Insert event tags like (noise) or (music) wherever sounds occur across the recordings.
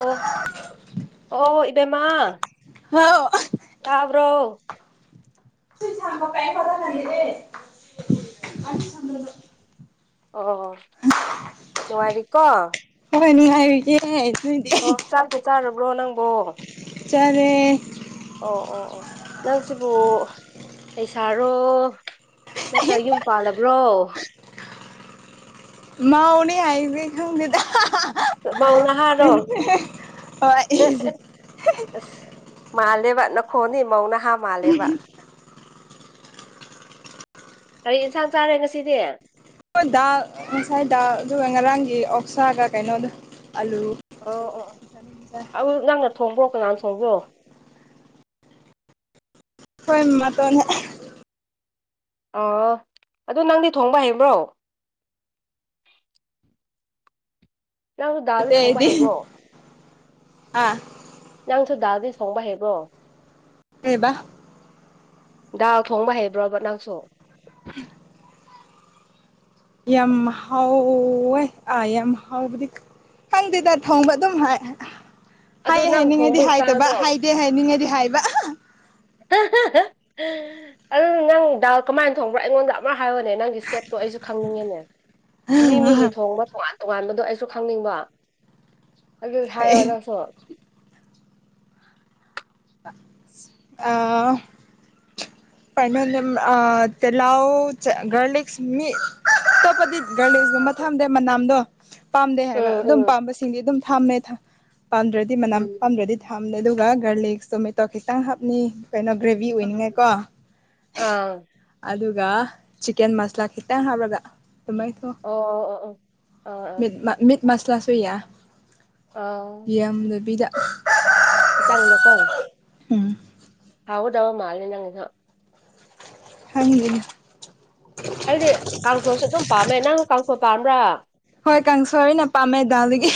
ꯑꯣ ꯑꯣ ꯏꯕꯦꯝꯃ ꯍꯥꯎ ꯇꯥꯕ꯭ꯔꯣ ꯁꯤ ꯆꯝꯕ ꯄꯌꯦꯄꯥ ꯇ ꯉꯅꯤꯗꯦ ꯆꯣ ꯑꯣ ꯃꯔꯤ ꯀ ꯍꯣꯏ ꯅꯨꯡꯉꯥꯏꯔꯨꯒꯦ ꯑꯣ ꯆꯥꯛꯄ ꯆꯥꯔꯕ꯭ꯔꯣ ꯅꯪꯕꯣ ꯆꯔꯦ ꯑꯣ ꯑꯣ ꯑꯣ ꯅꯪꯁꯤꯕꯨ ꯂꯩꯁꯥꯔꯣ ꯅꯠꯇ꯭ꯔ ꯌꯨꯝ ꯄꯥꯜꯂꯕ꯭ꯔꯣ ꯃꯥꯎꯅꯦ ꯍꯥꯏꯏꯕ ꯈꯦꯗ ꯃꯅ ꯍꯥꯏꯔꯣ ꯍꯣꯏ ꯑꯁ ꯃꯥꯜꯂꯦꯕ ꯅꯈꯣꯅꯤ ꯃꯧꯅ ꯍꯥꯥ ꯃꯥꯜꯂꯦꯕ ꯀꯔꯤ ꯌꯦꯟꯁꯥꯡ ꯆꯥꯔꯦ ꯉꯁꯤꯗꯤ ꯗ ꯉꯁꯥꯏꯗ ꯑꯗꯨꯒ ꯉꯔꯥꯡꯒꯤ ꯑꯣꯛꯁꯥꯒ ꯀꯩꯅꯣꯗ ꯑꯣ ꯑꯣ ꯑꯗꯨ ꯅꯪꯅ ꯊꯣꯡꯕ꯭ꯔꯣ ꯀꯅꯥꯅ ꯊꯣꯡꯕ꯭ꯔꯣ ꯍꯣꯏ ꯃꯇꯣꯟꯅꯦ ꯑꯥ ꯑꯗꯨ ꯅꯪꯗꯤ ꯊꯣꯡꯕ ꯍꯩꯕ꯭ꯔꯣ ꯅꯪꯁꯨ ꯗꯥꯜꯁ ꯊꯣꯡꯕ ꯍꯥꯏꯩꯕ꯭ꯔꯣ ꯑ ꯅꯪꯁꯨ ꯗꯥꯗꯤ ꯁꯣꯡꯕ ꯍꯩꯕ꯭ꯔꯣ ꯑꯦꯕꯥ ꯗꯥꯥꯛ ꯊꯣꯡꯕ ꯍꯩꯕ꯭ꯔꯣ ꯕꯠ ꯅꯪꯁꯨ (inaudible) ꯌꯥꯝ ꯍꯥꯎ ꯑ ꯌꯥꯝ ꯍꯥꯎ ꯈꯪꯗꯦꯗ ꯊꯣꯡꯕ ꯑꯗꯨꯝ ꯍꯥꯏ ꯑꯗꯨ ꯍꯥꯏꯌꯦꯦ ꯅꯪ ꯊꯣꯡꯕ ꯍꯥꯏꯅꯤꯡꯉꯗꯤ ꯏꯁꯇꯥꯏꯜꯗꯣ ꯍꯥꯏꯗꯕ ꯍꯥꯏꯗꯦ ꯍꯥꯏꯅꯤꯡꯉꯗꯤ ꯍꯥꯏꯕ ꯑꯗꯨ ꯅꯪ ꯗꯥ ꯀꯃꯥꯏꯅ ꯊꯣꯡꯕ꯭ꯔꯣ ꯑꯩꯉꯣꯟꯗ ꯑꯃ ꯍꯥꯏꯔꯣꯅꯦ ꯅꯪꯒꯤ ꯁꯇꯦꯠꯇꯣ ꯑꯩꯁꯨ ꯈꯪꯅꯤꯡꯉꯦꯅꯦ ꯃꯤ ꯃꯤꯒꯤ ꯊꯣꯡꯕ ꯇꯣꯉꯥꯟ ꯇꯣꯉꯥꯟꯕꯗꯣ ꯑꯩꯁꯨ ꯈꯪꯅꯤꯡꯕ ꯑꯗꯨ ꯍꯥꯏꯌꯣ ꯅꯪꯁꯨ ꯑ ꯄ ꯇꯂꯥꯎ ꯆ ꯔꯂꯤꯁ ꯃꯤ ꯇ ꯄꯗꯤ ꯂꯤꯁ ꯑꯗꯨꯒꯕ ꯊꯝꯗꯦ ꯃꯅꯥꯝꯗꯣ ꯄꯥꯝꯗꯦ ꯍꯥꯏꯕ ꯎꯝ ꯑꯗꯨꯝ ꯎꯝ ꯄꯥꯝꯕꯁꯤꯡꯗꯤ ꯑꯗꯨꯝ ꯊꯝꯃꯦ ꯄꯥꯝꯗ꯭ꯔꯗꯤ ꯃꯅꯥꯝ ꯎꯝ ꯄꯥꯝꯗ꯭ꯔꯗꯤ ꯊꯥꯝꯅꯤ ꯑꯗꯨꯒ ꯒꯥꯔꯂꯤꯛ ꯇꯣꯃꯦꯇꯣ ꯈꯤꯇꯪ ꯍꯥꯞꯅꯤ ꯀꯩꯅꯣ ꯒ꯭ꯔꯦꯚꯤ ꯑꯣꯏꯅꯤꯡꯉꯥꯏꯀꯣ ꯑꯥ ꯑꯗꯨꯒ ꯆꯤꯛꯀꯟ ꯃꯁꯂꯥ ꯈꯤꯇꯪ ꯍꯥꯞꯄꯒ ꯑ ꯑ ꯑ ꯑ ꯃꯤꯠ ꯃꯁꯂꯁꯨꯨꯌꯥ ꯑꯥ ꯌꯦꯗꯕꯤꯗ ꯥꯡꯗ ꯀꯣ ꯎꯝ ꯍꯥꯎꯗꯕ ꯃꯥꯜ ꯅꯪ ꯍꯪꯒꯅ ꯑꯩꯗꯤ ꯀꯥꯡꯁꯣꯁꯦ ꯑꯗꯨꯝ ꯄꯥꯝꯃꯦ ꯅꯪꯅ ꯀꯥꯡꯁꯣ ꯄꯥꯝꯕ꯭ꯔꯥ ꯀꯥꯡꯪꯁꯔꯤ ꯅꯄꯝꯃꯦ ꯗꯗꯥꯗꯒꯤ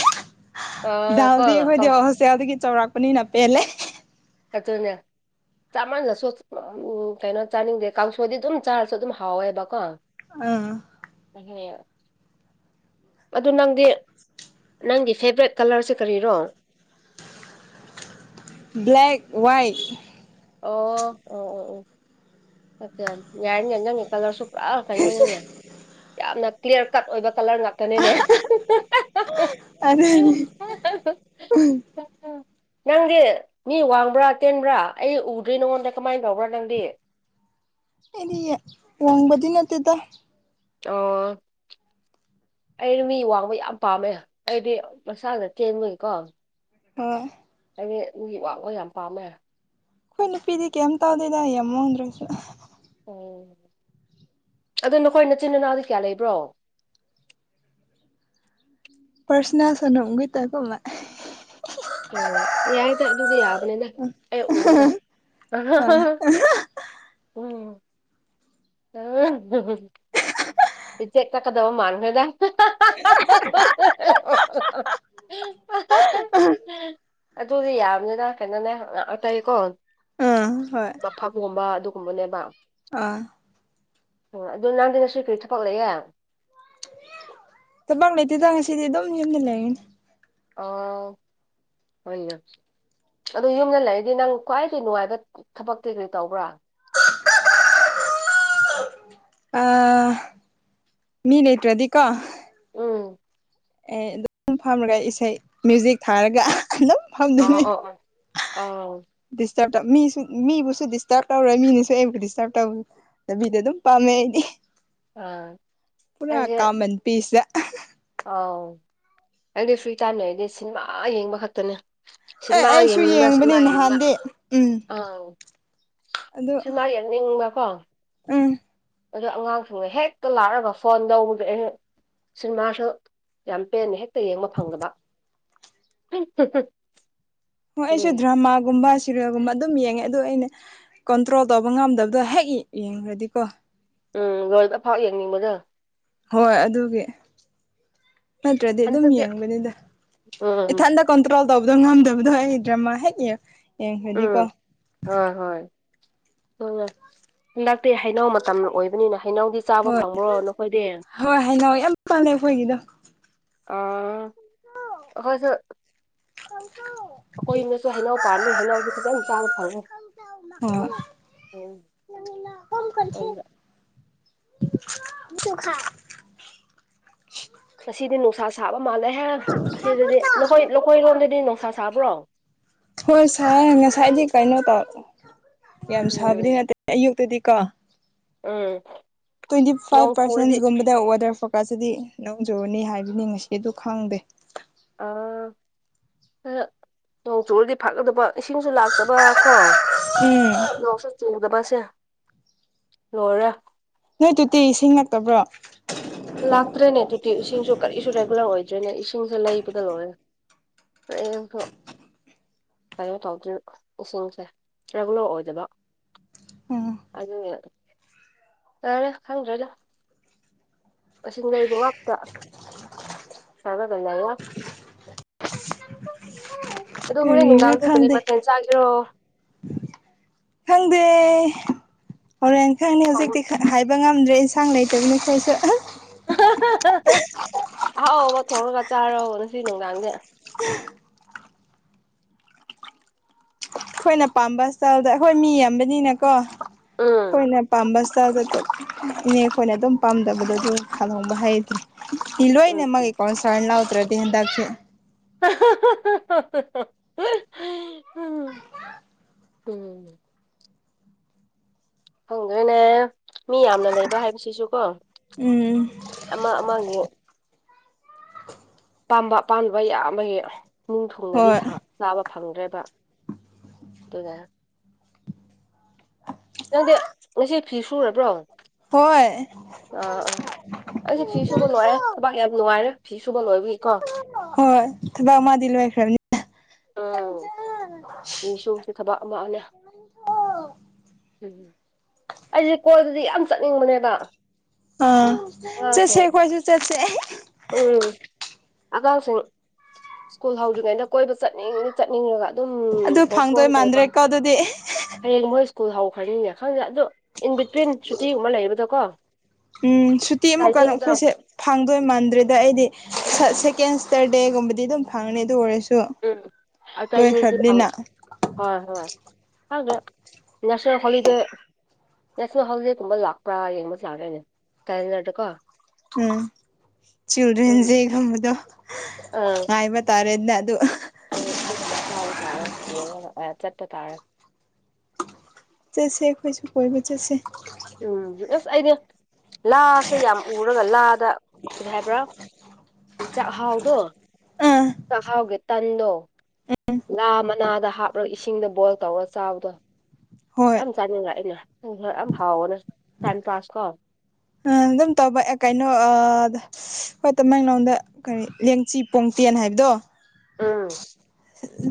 ꯑꯥ ꯀꯣ ꯗꯥꯜꯗꯤ ꯑꯩꯈꯣꯏꯗꯤ ꯀꯥꯡꯁ ꯍꯣꯁꯇꯦꯜꯗꯒꯤ ꯆꯥꯎꯔꯥꯛꯄꯅꯤꯅ ꯄꯦꯜꯂꯦ ꯑꯗꯅ ꯆꯥꯃꯟꯗꯁꯨ ꯀꯩꯅꯣ ꯆꯥꯅꯤꯡꯗꯦ ꯀꯥꯡꯁꯣꯏꯗꯤ ꯑꯗꯨꯝ ꯆꯥꯔꯁꯨ ꯑꯗꯨꯝ ꯍꯥꯎꯋꯦꯕꯀꯣ ꯑ ꯍꯝ ꯑꯗꯨ ꯅꯪꯗꯤ ꯅꯪꯒꯤ ꯐꯦꯚꯣꯔꯥꯏꯠ ꯀꯂꯔꯁꯦ ꯀꯔꯤꯔꯣ (unintelligible) ꯕ꯭ꯂꯦꯛ ꯋꯥꯏꯠ ꯑꯣ ꯑꯣ ꯑꯣ ꯑꯣ ꯌꯥꯏꯔ ꯀꯣ ꯀꯂꯔꯁꯨ ꯄꯨ꯭ꯔꯥꯔ ꯀꯣ ꯌꯥꯝꯅ ꯀ꯭ꯂꯤꯌꯥꯔ ꯀꯠ ꯑꯣꯏꯕ ꯀꯂꯔ ꯉꯥꯛꯇꯅꯤꯅꯦ ꯑꯗꯤ ꯅꯪꯗꯤ ꯃꯤ ꯋꯥꯡꯕ꯭ꯔꯥ ꯇꯦꯟꯕ꯭ꯔꯥ ꯑꯩ ꯎꯗ꯭ꯔꯤ ꯅꯉꯣꯟꯗ ꯀꯃꯥꯏꯅ ꯇꯧꯕ꯭ꯔꯥ ꯅꯪꯗꯤ ꯏꯅꯤ ꯋꯥꯣꯡꯕꯗꯤ ꯅꯠꯇꯗꯣ ꯑꯣ ꯑꯩꯩꯅ ꯃꯤ ꯋꯥꯡꯕ ꯌꯥꯝ ꯄꯥꯝꯃꯦ ꯑꯩꯗꯤ ꯃꯛꯁꯥꯗ ꯇꯦꯟꯕꯒꯤꯀꯣ ꯑꯣ ꯅꯒꯤ ꯥꯛꯂꯣ ꯌꯥꯝ ꯄꯥꯝꯃꯦ ꯑꯩꯈꯣꯏ ꯅꯨꯄꯤꯗꯤ ꯀꯩꯝ ꯇꯧꯗꯦꯗ ꯌꯦꯡꯃꯪꯗ꯭ꯔꯒꯁꯨ ꯑꯣ ꯑꯗꯨꯣ ꯅꯈꯣꯏ ꯅꯆꯤꯟ ꯏꯅꯥꯎꯗꯤ ꯀꯌꯥ ꯂꯩꯕ꯭ꯔꯣ (unintelligible) ꯄꯔꯁꯅꯥ ꯁꯅꯒ ꯇꯥꯏ ꯀꯃ ꯑꯣ ꯌꯥꯏꯗ ꯑꯗꯨꯗꯤ ꯌꯥꯗꯅꯦꯅ ꯑꯦ ꯑꯣꯗ ꯍꯣꯏ (unintelligible) ꯑ ꯆꯦ ꯀ ꯀꯗ ꯃꯥꯟꯍꯣꯏꯗ (unintelligible) ꯑꯗꯨꯗꯤ ꯌꯥꯝꯅꯤꯅ ꯀꯩꯅꯣꯅꯦ ꯑꯇꯩꯀꯣ ꯑꯥ ꯍꯣꯏ ꯃꯐꯛꯒꯨꯝꯕ ꯑꯗꯨꯒꯨꯝꯕꯅꯦꯕ ꯑꯥ ꯑꯣ ꯑꯗꯨ ꯅꯍꯪꯗꯤ ꯉꯁꯨ ꯀꯔꯤ ꯊꯄꯛ ꯂꯩꯌꯦꯦ ꯪꯂꯥꯏꯗꯤ ꯊꯪꯉꯁꯤꯗꯤ ꯑꯗꯨꯝ ꯍ ꯂꯩꯅꯤ ꯑ ꯍ ꯑꯗꯨ ꯌꯨꯝꯗ ꯂꯩꯔꯗꯤ ꯅꯪ ꯈ꯭ꯋꯥꯏꯗꯒꯤ ꯅꯨꯡꯉꯥꯏꯕ ꯊꯕꯛꯇꯩ ꯀꯔꯤ ꯇꯧꯕ꯭ꯔꯥ (unintelligible) ꯃꯤꯟꯩꯇꯦꯙꯀꯥ ꯎꯝ ꯑꯦ ꯑꯗꯨꯝ ꯐꯝꯔꯒ ꯏꯁꯩ ꯃ꯭ꯌꯨꯖꯤꯛ ꯊꯥꯔꯒ ꯑꯗꯨꯝ ꯑ ꯐꯝꯗꯣꯏꯅꯤ ꯑꯣ ꯑꯥ (inaudible) ꯁ ꯃꯤꯕꯨꯁꯨ ꯗꯤꯁꯇꯔꯕ ꯇꯧꯔꯣꯏ ꯃꯤꯅꯁꯨ ꯑꯩꯕꯨ ꯗꯤꯁꯇꯔꯕ ꯇꯧꯔꯦ ꯂꯝꯕꯤꯗ ꯑꯗꯨꯝ ꯄꯥꯝꯃꯦ ꯑꯩꯗꯤ ꯑꯥ ꯄꯨꯔꯥ ꯀꯥꯃꯟ ꯄꯤꯁꯇ ꯑꯧ ꯑꯩꯗꯤ ꯐ꯭ꯔꯤ ꯇꯥꯏꯝ ꯂꯩꯔꯗꯤ ꯁꯤꯅꯦꯃꯥ ꯌꯦꯡꯕ ꯈꯛꯇꯅꯦ ꯑꯦ ꯁꯤꯅꯦꯃꯥ ꯑꯩꯁꯨ ꯌꯦꯡꯅꯤꯡꯕ ꯁꯤꯅꯦꯃꯥ ꯌꯦꯡꯕꯅꯦ ꯌꯦꯡꯅꯤꯡꯕ ꯅꯍꯥꯟꯗꯤ ꯎꯝ ꯑꯥꯎ ꯑꯗꯨ ꯁꯨꯃ ꯌꯦꯡꯅꯤꯡꯕ ꯎꯝ ꯑꯗꯨ ꯑꯉꯥꯡꯁꯤꯡꯗꯣ ꯍꯦꯛꯇ ꯂꯥꯛꯑꯒ ꯐꯣꯟ ꯇꯧꯕꯗ ꯑꯩꯅ ꯁꯤꯅꯦꯃꯥꯁꯨ ꯌꯥꯝ ꯄꯦꯟꯅ ꯍꯦꯛꯇ ꯌꯦꯡꯕ ꯐꯪꯗꯕ ꯑ ꯇꯠ (unintelligible) (inaudible) ꯍ ꯑꯦꯁꯣ ꯗ꯭ꯔꯃꯥꯒꯨꯝꯕ ꯐꯤꯔꯣꯒꯨꯝꯕ ꯑꯗꯨꯝ ꯌꯦꯡꯉꯦ ꯑꯗ ꯑꯩꯅ ꯀꯟꯇ꯭ꯔꯣꯜ ꯇꯧꯕ ꯉꯝꯗꯕꯗꯣ ꯍꯦꯛ ꯌꯦꯡꯈ꯭ꯔꯗꯤꯀꯣ ꯎꯝ ꯣꯏꯜꯗ ꯑꯐꯥꯎ ꯌꯦꯡꯅꯤꯡꯕꯗ ꯍꯣꯏ ꯑꯗꯨꯒꯤ ꯅꯠꯇ꯭ꯔꯗꯤ ꯑꯗꯨꯝ ꯍꯟꯗꯛꯇꯤ ꯌꯦꯡꯕꯅꯤꯗ ꯎꯝ ꯏꯊꯟꯗ ꯀꯣꯟꯇ꯭ꯔꯣꯜ ꯇꯧꯕꯗꯣ ꯉꯝꯗꯕꯗꯣ ꯑꯩ ꯗ꯭ꯔꯃꯥ ꯍꯦꯛ ꯌꯦꯡꯈꯗꯤꯀꯣ ꯍ ꯂꯥꯛꯇꯦ ꯍꯩꯅꯧ ꯃꯇꯝ ꯑꯣꯏꯕꯅꯤꯅ ꯍꯩꯅꯧꯗꯤ ꯆꯥꯕ ꯐꯪꯕ꯭ꯔꯣ ꯅꯈꯣꯏꯗꯤ ꯀ ꯍꯥꯏꯅ ꯌꯥꯝ ꯄꯥꯜꯂꯦ ꯑꯩꯈꯣꯏꯒꯤꯗꯣ ꯑꯥ ꯍꯁ ꯑꯩꯈꯣꯏꯅꯁꯨ ꯍꯩꯅꯎ ꯄꯥꯜ ꯂꯩꯣꯏ ꯍꯅꯥꯎꯗꯨ ꯐꯖꯅ ꯆꯥꯕ ꯐꯪꯉꯦ ꯍꯣꯏ ꯎꯝ ꯎ (unintelligible) (inaudible) ꯇ ꯍꯥꯏꯥꯏ (unintelligible) (inaudible) ꯉꯁꯤꯗꯤ ꯅꯨꯡꯁꯥ ꯁꯥꯕ ꯃꯥꯜꯂꯦꯍꯦ ꯑꯁꯤꯗꯗꯤ ꯅꯈꯣꯏ ꯅꯈꯣꯏꯔꯣꯝꯗꯗꯤ ꯅꯨꯡꯁꯥ ꯁꯥꯕ꯭ꯔꯣ ꯍꯣꯏ ꯁꯥꯔ ꯉꯁꯥꯏꯗꯤ ꯀꯩꯅꯣ ꯇꯧꯔ ꯌꯥꯝ ꯁꯥꯕꯗꯤ ꯎꯝ ꯅꯠꯇꯦ ꯑꯌꯨꯛꯇꯗꯤ ꯀꯥ (inaudible) ꯎꯝ ꯇ꯭ꯋꯦꯟꯇꯤ ꯅꯣꯡ ꯐꯥꯏꯚ ꯆꯨꯔꯗꯤ ꯄꯥꯔꯁꯦꯟꯁꯒꯨꯝꯕꯗ ꯑꯣꯔꯗꯔ ꯐ ꯀꯀꯁꯤꯗꯤ ꯅꯣꯡꯖꯨꯅꯤ ꯍꯥꯏꯕꯅꯤ ꯉꯁꯤ ꯑꯗꯨ ꯈꯪꯗꯦ ꯑꯥ ꯅꯣꯡ ꯆꯨꯔꯨꯔꯗꯤ ꯐꯥꯛꯀꯗꯕ ꯏꯁꯤꯡꯁꯨ ꯂꯥꯛꯇꯕ ꯀꯣ ꯎꯝ ꯌꯣꯛꯁꯨ ꯆꯤꯡꯗꯕ ꯂꯔ (inaudible) ꯅꯣꯏ ꯇꯗꯤꯤ ꯏꯁꯤꯡ ꯅꯛꯇꯕ꯭ꯔꯣ ꯂꯥꯛꯇ꯭ꯔꯦꯅꯦ ꯇꯨꯇꯤ ꯏꯁꯤꯡꯁꯨ ꯀꯔꯤꯁꯨ ꯔꯦꯒꯨꯂꯔ ꯑꯣꯏꯗ꯭ꯔꯦꯅꯦ ꯏꯁꯤꯡꯁꯦ ꯂꯩꯕꯗ ꯂꯣꯏꯔꯦ ꯍꯡꯊ (unintelligible) (inaudible) ꯀꯩꯅꯣ ꯇꯧꯗꯣꯏꯅ ꯏꯁꯤꯡꯁꯦ ꯔꯔꯤꯒꯨꯂꯔ ꯑꯣꯏꯗꯕ ꯎꯝ ꯑꯗꯨ ꯌꯥꯔꯦ ꯈꯪꯗ꯭ꯔꯦꯗꯣ ꯑꯁꯤ ꯂꯩꯕ ꯉꯥꯛꯇ ꯊꯥꯒꯗ ꯌꯥꯏ ꯑꯗꯨ ꯍꯣꯔꯦꯟ ꯀꯔꯤꯔꯥ ꯅꯨꯡꯗꯥꯡꯊꯦꯛꯇꯗꯤ ꯈꯪꯗꯦ ꯃꯊꯦꯜ ꯆꯥꯒꯤꯔꯣ ꯈꯪꯗꯦ ꯍꯣꯔꯦꯟ ꯈꯪꯅꯤ ꯍꯧꯖꯤꯛꯇꯤ ꯍꯥꯏꯕ ꯉꯝꯗ꯭ꯔꯦ ꯁꯥꯡ ꯂꯩ ꯆꯦꯝꯅꯈꯁꯨ ꯑꯍꯥꯎ ꯑꯥꯎꯕ ꯊꯣꯛꯂꯒ ꯆꯥꯔꯣ ꯉꯁꯤ ꯅꯨꯡꯗꯥꯡꯁꯦ ꯑꯩꯈꯣꯏꯅ ꯄꯥꯝꯕ ꯏꯁ꯭ꯇꯇꯥꯜꯗ ꯑꯩꯈꯣꯏ ꯃꯤ ꯌꯥꯝꯕꯅꯤꯅꯀꯣ ꯎꯝ ꯑꯩꯈꯣꯏꯅ ꯄꯥꯝꯕ ꯏꯁꯇꯥꯏꯜꯗ ꯏꯅꯦ ꯑꯩꯈꯣꯏꯅ ꯑꯗꯨꯝ ꯄꯥꯝꯗꯕꯗꯗꯤ ꯈꯜꯍꯣꯡꯕ ꯍꯥꯏꯩꯗꯤ ꯄꯤꯂꯏꯅꯦ ꯃ ꯀꯩ ꯎꯝ ꯀ ꯁ ꯂ ꯎꯇꯔꯗꯤꯗꯦ ꯎꯝ ꯎꯝ ꯐꯪꯒ꯭ꯔꯦꯅꯦ ꯃꯤ ꯌꯥꯝꯅ ꯂꯩꯕ ꯍꯥꯏꯕꯁꯤꯁꯨ ꯀꯣ ꯎꯝ ꯑ ꯑꯃꯥꯡꯒꯦ ꯑꯄꯥꯥꯝꯕ ꯄꯥꯝꯗꯕ ꯌꯥꯝꯕꯒꯤ ꯅꯤꯡꯊꯨꯡꯅꯒꯤ ꯍꯣꯏ ꯆꯥꯕ ꯐꯪꯗ꯭ꯔꯦꯕ ꯑꯗꯨꯒ ꯅꯪꯗꯦ ꯉꯁꯤ ꯐꯤ ꯁꯨꯔꯕ꯭ꯔꯣ ꯍꯣꯏ ꯑꯥ ꯑꯥ ꯑꯩꯁꯨ ꯐꯤ ꯁꯨꯕ ꯂꯣꯏꯔꯦ ꯊꯕꯥꯛ ꯌꯥꯝ ꯅꯨꯡꯉꯥꯏꯔꯦ ꯐꯤ ꯁꯨꯕ ꯂꯣꯏꯕꯒꯤꯀꯣ ꯍꯣꯏ ꯊꯕꯛ ꯑꯃꯗꯤ ꯂꯣꯏꯈꯔꯥꯕꯅꯤꯅꯥ ꯑ ꯐꯤꯁꯨꯕꯁꯨ ꯊꯕꯛ (inaudible) ꯑꯩꯁꯦ ꯀꯣꯏꯕꯥꯖꯦ ꯌꯥꯝ ꯆꯠꯅꯤꯡꯕꯅꯦꯕ ꯑꯥ ꯆꯠꯁꯦ ꯑꯩꯈꯣꯏꯁꯨ ꯆꯠꯁꯦ ꯑꯣꯝ ꯑꯉꯥꯡꯁꯤꯡ ꯁ꯭ꯀꯨꯜ ꯍꯧꯗ꯭ꯔꯤꯉꯩꯗ ꯀꯣꯏꯕ ꯆꯠꯅꯤꯡꯅꯤ ꯆꯠꯅꯤꯡꯉꯒ ꯑꯗꯨꯝ ꯑꯗꯨ ꯄꯣꯁꯄꯣꯟ ꯐꯪꯗꯣꯏ ꯇꯧꯕ ꯃꯥꯟꯗ꯭ꯔꯦꯀꯣ ꯑꯗꯨꯗꯤ ꯍꯌꯦꯡ ꯃꯣꯏ ꯁ꯭ꯀꯨꯜ ꯍꯧꯈ꯭ꯔꯅꯤꯅꯦ ꯈꯪꯗꯦ ꯑꯗꯣ ꯏꯟ ꯕꯤꯇ꯭ꯋꯤꯟ ꯁꯨꯇꯤꯒꯨꯝꯕ ꯂꯩꯕꯗꯣꯀꯣ ꯎꯝ ꯁꯨꯇꯤ ꯑꯃꯨꯛꯀꯅꯛ ꯐꯩꯁꯦ ꯐꯪꯗꯣꯏ ꯃꯥꯟꯗ꯭ꯔꯦ ꯑ ꯗ ꯑꯩꯗꯤ ꯁꯦꯀꯦꯟ ꯁ꯭ꯇꯔꯗꯦꯒꯨꯝꯕꯗꯤ ꯑꯗꯨꯝ ꯐꯪꯅꯤ ꯑꯗꯨ ꯑꯣꯏꯔꯁꯨ ꯎꯝ ꯂꯣꯏꯈ꯭ꯔꯕꯅꯤꯅ (inaudible) ꯈꯪꯗꯦ ꯉꯁꯤ ꯍꯣꯂꯤꯗꯦ ꯅꯦꯁꯅꯦꯜ ꯍꯣꯂꯤꯗꯦ꯫ꯀꯨꯝꯕ ꯂꯥꯛꯄ꯭ꯔꯥ ꯌꯦꯡꯕꯁꯨ ꯂꯥꯛꯇꯦꯅꯦ (inaudible) ꯎꯝ ꯎꯝ ꯆꯤꯜꯗ꯭ꯔꯦꯟꯁꯦꯒꯝꯕꯗꯣ ꯉꯥꯏꯕ ꯇꯥꯔꯦꯗ ꯅ ꯎ ꯑꯗꯨꯅ ꯑꯃ ꯆꯥꯕ ꯁꯥ ꯌꯦꯡꯉꯒ ꯆꯠꯄ ꯇꯥꯔꯦ ꯆꯦꯁꯦꯈꯣꯏꯁꯨ ꯀꯕꯨ ꯆꯦꯁꯦ ꯎꯝ ꯑꯁ ꯑꯩꯗꯤ ꯂꯥꯁꯦ ꯌꯥꯝ ꯎꯔꯒ ꯂꯥꯗ ꯀꯔꯤ ꯍꯥꯏꯕ꯭ꯔꯥ ꯆꯥꯛꯍꯥꯎꯗꯣ ꯑꯥ ꯆꯥꯛꯍꯥꯎꯒꯤ ꯇꯟꯗꯣ ꯂꯥ ꯃꯅꯥꯗ ꯍꯥꯞꯂꯒ ꯏꯁꯤꯡꯗ ꯕꯣꯏꯜ ꯇꯧꯔꯒ ꯆꯥꯕꯗꯣ ꯍꯣꯏ ꯌꯥꯝ ꯆꯥꯅꯤꯡꯉ ꯑꯩꯅ ꯈ ꯌꯥꯝ ꯍꯥꯎꯋꯅꯦ ꯇꯥꯏꯝ ꯄꯥꯁ ꯀꯣ ꯑꯗꯨꯝ ꯇꯧꯕ ꯑꯦ ꯀꯩꯅꯣ ꯍꯣꯏ ꯇꯃꯦꯡꯂꯣꯡꯗ ꯀꯔꯤ ꯂꯦꯡꯆꯤ ꯄꯣꯡꯇꯦꯟ ꯍꯥꯏꯕꯗꯣ ꯎꯝ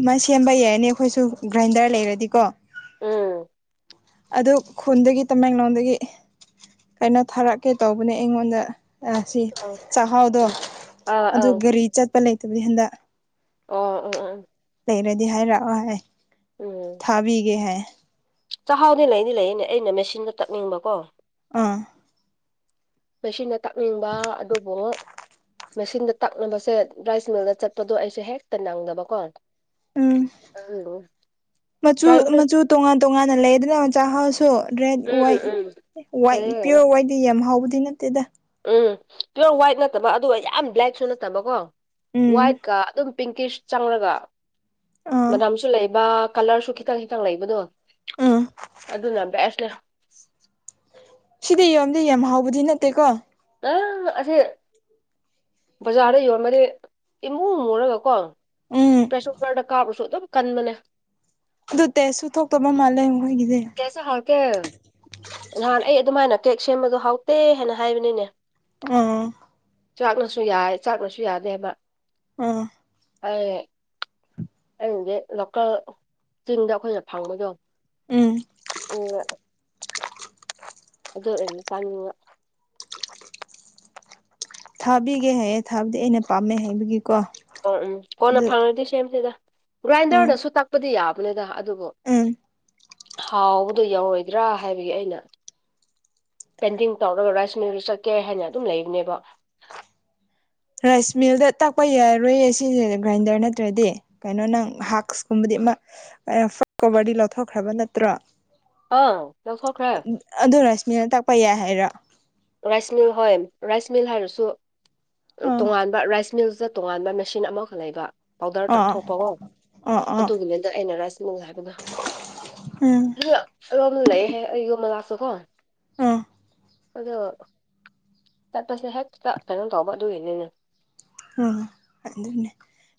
ꯃꯥꯏ ꯁꯦꯝꯕ ꯌꯥꯔꯅꯤ ꯑꯩꯈꯣꯏꯁꯨ ꯒ꯭ꯔꯥꯏꯟꯗꯔ ꯂꯩꯔꯗꯤꯀꯣ ꯎꯝ ꯑꯗꯨ ꯈꯨꯟꯗꯒꯤ ꯇꯃꯦꯡꯂꯣꯡꯗꯒꯤ ꯀꯩꯅꯣ ꯊꯥꯔꯛꯀꯦ ꯇꯧꯕꯅꯦ ꯑꯩꯉꯣꯟꯗ ꯑ ꯁꯤ ꯑꯥ ꯆꯥꯛꯍꯥꯎꯗꯣ ꯑꯥ ꯑꯥ ꯑꯗꯨ ꯑꯣ ꯒꯥꯔꯤ ꯆꯠꯄ ꯂꯩꯇꯕꯗꯤ ꯍꯟꯗꯛ ꯑꯣ ꯑ ꯑ ꯂꯩꯔꯗꯤ ꯍꯥꯏꯔꯛꯑꯣ ꯍꯥꯏ ꯊꯥꯕꯤꯒꯦ ꯍꯥꯏ ꯆꯥꯛꯍꯥꯎꯅꯤ ꯂꯩꯅꯤ ꯂꯩꯅꯤ ꯑꯩꯅ ꯃꯦꯁꯤꯟꯗ ꯇꯛꯅꯤꯡꯕꯀꯣ ꯑ ꯃꯁꯤꯟ ꯗ ꯇꯥꯛꯅꯤꯡꯕ ꯑꯗꯨꯕꯨ ꯃꯦꯁꯤꯟꯗ ꯇꯥꯛꯅꯕꯁꯦ ꯔꯥꯏꯁ ꯃꯤꯜꯗ ꯆꯠꯄꯗꯣ ꯑꯩꯁꯨꯦ ꯍꯦꯛꯇ ꯅꯪꯗꯕꯀꯣ ꯎꯝ ꯃꯆꯨ ꯒ꯭ꯔꯥꯏꯟꯗꯔ ꯃꯆꯨ ꯇꯣꯉꯥꯟ ꯇꯣꯉꯥꯟꯅ ꯂꯩꯗꯅ ꯃꯆꯥꯥꯛ ꯍꯥꯎ ꯁꯣ ꯔꯦꯠ ꯎꯝ ꯋꯥꯏꯠ ꯎꯝ ꯋꯥꯏꯠ ꯌꯥꯔꯦ ꯄꯤꯌꯣꯔ ꯋꯥꯏꯠꯗꯤ ꯌꯥꯝ ꯍꯥꯎꯕꯗꯤ ꯅꯠꯇꯦꯗ ꯎꯝ ꯄꯤꯌꯣꯔ ꯋꯥꯏꯠ ꯅꯠꯇꯕ ꯑꯗꯨꯒ ꯌꯥꯝ ꯕ꯭ꯂꯦꯛꯁꯨ ꯅꯠꯇꯕꯀꯣ ꯎꯝ ꯋꯥꯏꯠꯀ ꯑꯗꯨꯝ ꯄꯤꯡꯀꯤꯁ ꯆꯪꯔꯒ ꯑꯥ ꯃꯅꯝꯁꯨ ꯂꯩꯕ ꯀꯂꯔꯁꯨ ꯈꯤꯇꯪ ꯈꯤꯇꯪ ꯂꯩꯕꯗꯣ ꯎꯝ ꯑꯗꯨꯅ ꯕꯦꯁꯅꯤ ꯑꯗꯨꯗꯤ ꯌꯣꯝꯗꯤ ꯌꯥꯝ ꯍꯥꯎꯕꯗꯤ ꯅꯠꯇꯦꯀꯣ ꯅꯪ ꯑꯁꯤꯁ ꯕꯖꯥꯔꯗ ꯌꯣꯟꯕꯗꯤ ꯏꯃꯨꯡ ꯃꯨꯔꯒꯀꯣ ꯎꯝ ꯄ꯭ꯔꯦꯁꯔ ꯀꯨꯀꯔꯗ ꯀꯥꯕꯁꯨ ꯑꯗꯨꯝ ꯀꯟꯕꯅꯦ ꯑꯗꯨ ꯇꯦꯁꯨ ꯊꯣꯛꯇꯕ ꯃꯥꯜꯂꯦꯈꯣꯏꯒꯤꯁꯦ ꯀꯦꯁꯦ ꯍꯥꯎꯇꯦ ꯅꯍꯥꯟ ꯑꯩ ꯑꯗꯨꯃꯥꯏꯅ ꯀꯦꯛ ꯁꯦꯝꯕꯗꯣ ꯍꯥꯎꯇꯦ ꯍꯥꯏꯅ ꯍꯥꯏꯕꯅꯤꯅꯦ ꯎ ꯆꯥꯛꯅꯁꯨ ꯌꯥꯏ ꯆꯥꯛꯅꯁꯨ ꯌꯥꯗꯦꯕ ꯑꯥ ꯑ (unintelligible) (inaudible) ꯑꯩꯅꯗꯤ ꯂꯣꯀꯦꯜ ꯆꯤꯡꯗ ꯑꯩꯈꯣꯏꯅ ꯐꯪꯕꯗꯣ ꯎꯝ ꯎ (unintelligible) (inaudible) ꯑꯗꯣ ꯑꯦꯟꯅ ꯇꯥꯅꯤꯡꯉ ꯊꯥꯕꯤꯒꯦ ꯍꯥꯏꯌꯦꯦ ꯊꯥꯕꯗꯤ ꯑꯩꯅ ꯄꯥꯝꯃꯦ ꯍꯥꯏꯕꯒꯤ ꯑꯣ ꯎꯝ ꯀꯣꯟꯅ ꯐꯪꯉꯗꯤ ꯁꯦꯝꯁꯤꯦꯗ ꯍꯣꯏ ꯒ꯭ꯔꯥꯏꯟꯗꯔꯗꯁꯨ ꯇꯛꯄꯗꯤ ꯌꯥꯕꯅꯤꯗ ꯑꯗꯨꯕꯨ ꯎꯝ ꯍꯥꯎꯕꯗꯣ ꯌꯥꯎꯔꯣꯏꯗ꯭ꯔꯥ ꯍꯥꯏꯕꯒꯤ ꯑꯩꯅ ꯄꯦꯟꯗꯤꯡ ꯇꯧꯔꯒ ꯔꯥꯏꯁ ꯃꯤꯜꯗ ꯆꯠꯀꯦ ꯍꯥꯏꯅ ꯑꯗꯨꯝ ꯂꯩꯕꯅꯦꯕ ꯔꯥꯏꯁ ꯃꯤꯜꯗ ꯇꯥꯛꯄ ꯌꯥꯔꯣꯏꯌꯦ ꯁꯤꯁꯦ ꯒ꯭ꯔꯥꯏꯟꯗꯔ ꯅꯠꯇ꯭ꯔꯗꯤ ꯀꯩꯅꯣ ꯅꯪ ꯍꯛꯁꯀꯨꯝꯕꯗꯤ ꯐꯥ ꯀꯣꯚꯔꯗꯤ ꯂꯧꯊꯣꯛꯈ꯭ꯔꯕ ꯅꯠꯇ꯭ꯔꯣ ꯑꯥ ꯀꯁꯣꯈ꯭ꯔꯦ ꯃꯤꯅ ꯇꯥꯛꯄ ꯌꯥꯏ ꯍꯥꯏꯔꯣ ꯔꯥꯏꯁ ꯃꯤꯜ ꯍꯣꯏ ꯔꯥꯏꯁ ꯃꯤꯜ ꯍꯥꯏꯔꯁꯨ ꯑꯥ ꯇꯣꯉꯥꯟꯕ ꯔꯥꯏꯁ ꯃꯤꯜꯁ ꯇꯣꯉꯥꯟꯕ ꯃꯦꯁꯤꯟ ꯑꯃꯈꯛ ꯂꯩꯕ ꯄꯥꯎꯗꯔ ꯑꯥ ꯇꯥꯛꯊꯣꯛꯄꯀꯣ ꯑꯥ ꯑꯥ ꯑꯗꯨꯒꯤꯅꯤꯗ ꯑꯩꯅ ꯔꯥꯏꯁꯤꯅꯁ ꯍꯥꯏꯕꯗ ꯎꯝ ꯔꯣꯝꯗ ꯂꯩꯍꯦ ꯑꯩ ꯌꯣꯝꯃ ꯂꯥꯛꯁꯨꯣ ꯀꯣ ꯑꯥ ꯑꯗꯣ ꯆꯠꯄꯁꯦ ꯍꯦ ꯀꯩꯅꯣ ꯇꯧꯕ ꯑꯗꯨꯒꯤꯅꯤꯅꯦ ꯎꯝ ꯑꯗꯨꯅꯦ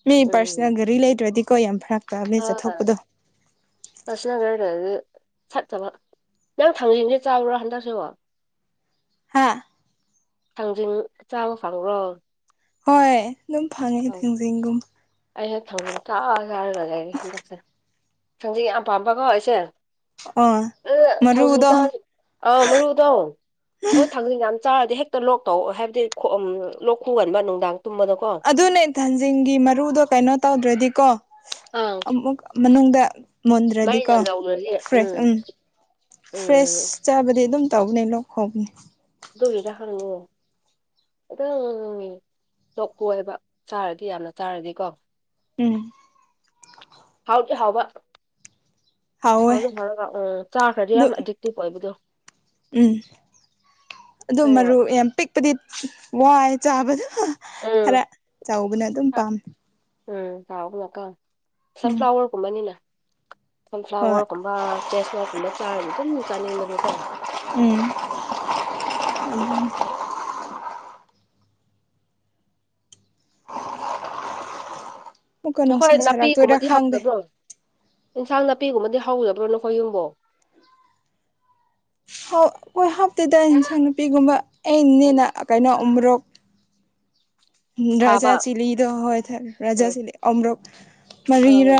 ꯃꯤ ꯄꯥꯔꯁꯣꯅꯦꯜ ꯎꯝ ꯒꯥꯔꯤ ꯂꯩꯇ꯭ꯔꯗꯤꯀꯣ ꯌꯥꯝ ꯐꯔꯛ ꯀꯥꯅꯦ ꯑꯥ ꯆꯠꯊꯣꯛꯄꯗꯣ ꯆꯠꯆꯕ ꯅꯪ ꯊꯥꯡꯁꯤꯁꯦ ꯆꯥꯎꯕ꯭ꯔꯣ ꯍꯟꯗꯛꯁꯤꯣ ꯍꯥꯥ ꯊꯥꯡꯖꯟ ꯆꯥꯃ ꯐꯪꯕ꯭ꯔꯣ ꯍꯣꯏ ꯑꯗꯨꯝ ꯐꯪꯉꯦ ꯊꯥꯡꯖꯤꯡꯒꯨꯝꯕ ꯑꯩꯁꯦ ꯊꯥꯡꯖꯤꯡ ꯀꯥ ꯍꯥꯏꯔꯒꯒ ꯑꯩꯒ ꯍꯟꯗꯛꯁꯦ ꯊꯥꯡꯖꯤꯡ ꯌꯥꯝ ꯄꯥꯝꯕꯀꯣ ꯑꯩꯁꯦ ꯑꯥ ꯎ ꯊꯥꯡꯖꯤꯡ ꯃꯔꯨꯗꯣ ꯆꯥ ꯑꯥ ꯃꯔꯨꯗꯣ ꯑꯣ ꯊꯥꯡꯖꯤꯡ ꯌꯥꯝ ꯆꯥꯔꯗꯤ ꯍꯦꯛꯇ ꯂꯣꯛ ꯇꯧ ꯍꯥꯏꯕꯗꯤ ꯂꯣꯛ ꯈꯨꯒꯟꯕ ꯅꯨꯡꯗꯥꯡ ꯇꯨꯝꯕꯗꯀꯣ ꯑꯗꯨꯅꯦ ꯊꯟꯖꯤꯡꯒꯤ ꯃꯔꯨꯗꯣ ꯀꯩꯅꯣ ꯇꯧꯗ꯭ꯔꯗꯤꯀꯣ ꯑꯪ ꯑꯃꯨ ꯃꯅꯨꯡꯗ ꯃꯨꯣꯟꯗ꯭ꯔꯗꯤꯀꯣ ꯃꯩꯅ ꯂꯧꯔꯗꯤ ꯐ꯭ꯔꯦꯁ ꯎꯝ ꯎꯝ ꯐ꯭ꯔꯦꯁ ꯆꯥꯕꯗꯤ ꯑꯗꯨꯝ ꯇꯧꯕꯅꯦ ꯂꯣꯛ ꯍꯧꯕꯅꯦ ꯍꯗ ꯈꯅꯉꯣ ꯈꯤꯇꯪ ꯂꯣꯛ ꯀꯣꯏꯕ ꯆꯥꯔꯗꯤ ꯌꯥꯝꯅ ꯆꯥꯔꯗꯤꯀꯣ ꯎꯝ ꯍꯥꯎ ꯇ ꯍꯥꯎꯕ ꯍꯥꯎꯋꯦ ꯑꯗꯨ ꯐꯔꯒ ꯎꯝ ꯆꯥꯈ꯭ꯔꯗꯤ ꯑꯗꯨ ꯌꯥꯝ ꯑꯦꯗꯤꯛꯇꯤꯞ ꯑꯣꯏꯕꯗꯣ ꯎꯝ ꯑꯗꯨ ꯑꯩꯅ ꯃꯔꯨ ꯌꯥꯝ ꯄꯤꯛꯄꯗꯤ ꯋꯥꯏ ꯆꯥꯕꯗ ꯈꯔ ꯎꯝ ꯆꯥꯎꯕꯅ ꯑꯗꯨꯝ ꯄꯥꯝꯃꯤ ꯎꯝ ꯇꯥꯒꯀ ꯁꯟꯐ꯭ꯂꯥꯋꯔꯒꯨꯝꯕꯅꯤꯅ ꯍꯣꯏ ꯁꯟꯐ꯭ꯂꯥꯋꯔꯒꯨꯝꯕ ꯆꯦꯁꯅ ꯀꯨꯝꯕ ꯆꯥꯔꯗꯤ ꯑꯗꯨꯝ ꯆꯥꯅꯤꯡꯕꯅꯤꯀꯣ ꯎꯝ ꯑꯃꯨꯛꯀ ꯅꯨꯡꯁꯥ ꯍꯈꯣꯏ ꯁꯥꯔꯛꯇꯣꯏꯔꯥ ꯅꯥꯄꯤꯒꯨꯝꯕꯗꯤ ꯈꯪꯗꯦ ꯍꯥꯎꯗꯕ꯭ꯔꯣ ꯏꯟꯁꯥꯡ ꯅꯥꯄꯤꯒꯨꯝꯕꯗꯤ ꯍꯧꯕ꯭ꯔꯣ ꯅꯈꯣꯏ ꯌꯨꯝꯕꯨꯣ ꯑꯩꯈꯣꯏ ꯍꯥꯞꯇꯗ ꯏꯟꯁꯥꯡ ꯅꯨꯄꯤꯒꯨꯝꯕ ꯎꯝ ꯑꯅꯦꯅ ꯀꯩꯅꯣ ꯎ꯭ꯔꯣ ꯔꯖꯥ ꯊꯥꯕ ꯆꯤꯂꯤꯗ ꯍꯣꯏ ꯊꯔ ꯔꯖꯥ ꯎꯝ ꯆꯤꯂꯤ ꯑꯝꯔ ꯑꯪ ꯃꯔꯤꯔꯥ